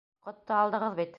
Ҡотто алдығыҙ бит!